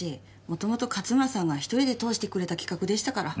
もともと勝村さんが１人で通してくれた企画でしたから。